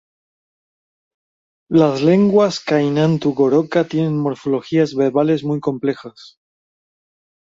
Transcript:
Las lenguas Kainantu-Goroka tienen morfologías verbales muy complejas.